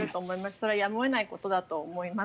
それはやむを得ないことだと思います。